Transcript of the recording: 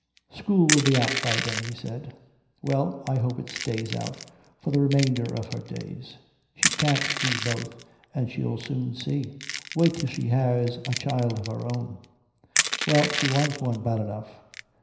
"School will be out by then," he said. "Well, I hope it stays out for the remainder of her days. She can't do both, and she'll soon see. Wait till she has a child of her own." "Well, she wants one bad enough."